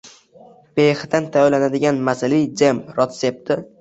Behidan tayyorlanadigan mazali jem retsepti